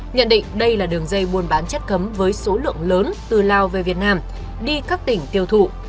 nhận định đây là đường dây buôn bán chất cấm với số lượng lớn từ lào về việt nam đi các tỉnh tiêu thụ